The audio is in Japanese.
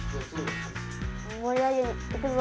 盛り上げにいくぞ。